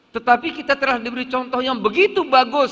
tetapi kita telah diberi contoh yang begitu bagus